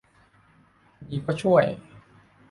มีก็ช่วย